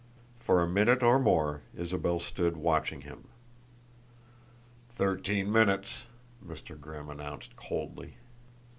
For a minute or more Isabel stood watching him. "Thirteen minutes!" Mr. Grimm announced coldly.